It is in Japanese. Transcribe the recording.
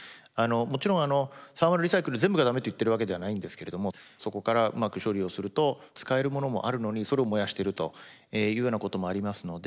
もちろんあのサーマルリサイクル全部が駄目って言ってるわけではないんですけれどもそこからうまく処理をすると使えるものもあるのにそれを燃やしてるというようなこともありますので